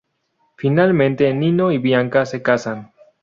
Finalmente Nino y Bianca se casan.